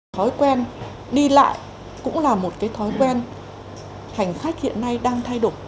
thói quen đi lại cũng là một cái thói quen hành khách hiện nay đang thay đổi